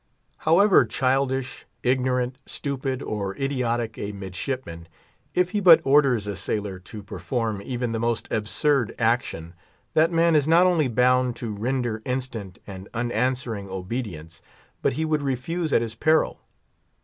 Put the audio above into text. However childish, ignorant, stupid, or idiotic a midshipman, if he but orders a sailor to perform even the most absurd action, that man is not only bound to render instant and unanswering obedience, but he would refuse at his peril.